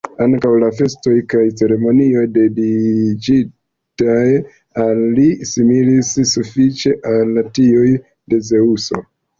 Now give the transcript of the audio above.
Ankaŭ la festoj kaj ceremonioj dediĉitaj al li similis sufiĉe al tiuj, de Zeŭso.